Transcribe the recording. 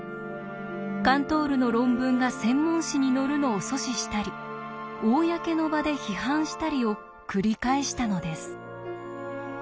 カントールの論文が専門誌に載るのを阻止したり公の場で批判したりを繰り返したのです。